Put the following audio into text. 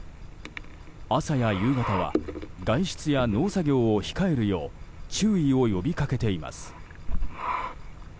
朝や夕方は外出や農作業を控えるよう注意を呼びかけています。